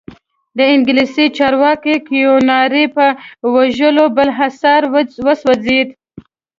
د انګلیسي چارواکي کیوناري په وژلو بالاحصار وسوځېد.